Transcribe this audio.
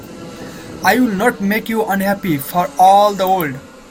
I would not make you unhappy for all the world!